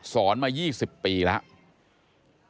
สอนมา๒๐ปีแล้ว